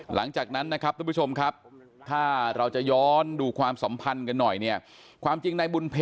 หลังจากนั้นนะครับทุกผู้ชมครับถ้าเราจะย้อนดูความสะสมภัณฑ์คนนี่